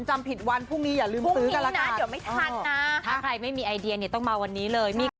ถ้าใครไม่มีไอเดียต้องมาวันนี้เลย